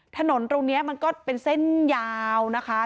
ถนนตรงนี้มันก็เป็นเส้นยาวนะคะ